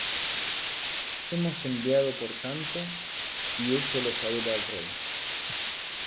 hemos enviado por tanto, y hécho lo saber al rey